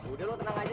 udah ikut aja